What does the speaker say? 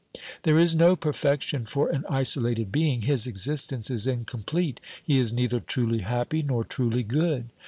There is no perfection for an isolated being ; his exist ence is incomplete, he is neither truly happy nor truly good.